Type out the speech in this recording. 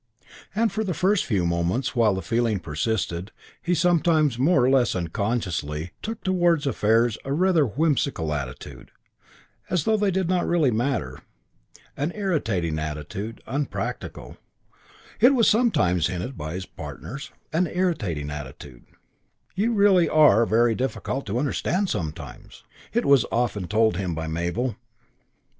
And for the few moments while the feeling persisted he sometimes, more or less unconsciously, took towards affairs a rather whimsical attitude, as though they did not really matter: an irritating attitude, unpractical, it was sometimes hinted by his partners; an irritating attitude "You really are very difficult to understand sometimes" it was often told him by Mabel.